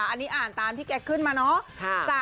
อันนี้อ่านตามที่แกขึ้นมาเนาะ